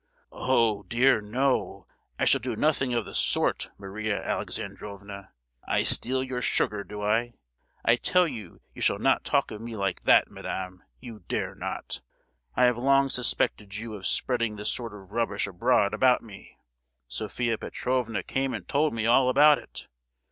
"Oh, dear no! I shall do nothing of the sort, Maria Alexandrovna! I steal your sugar, do I? I tell you you shall not talk of me like that, madam—you dare not! I have long suspected you of spreading this sort of rubbish abroad about me! Sophia Petrovna came and told me all about it.